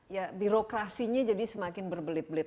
ya birokrasinya jadi semakin berbelit belit